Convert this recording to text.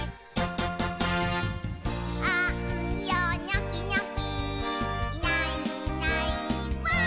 「あんよニョキニョキいないいないばぁ！」